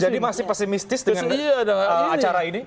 jadi masih pesimistis dengan acara ini